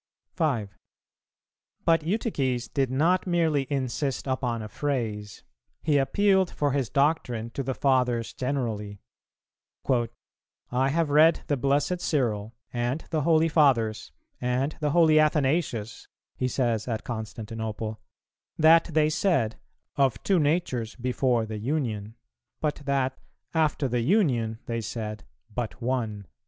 5. But Eutyches did not merely insist upon a phrase; he appealed for his doctrine to the Fathers generally; "I have read the blessed Cyril, and the holy Fathers, and the holy Athanasius," he says at Constantinople, "that they said, 'Of two natures before the union,' but that 'after the union' they said 'but one.'"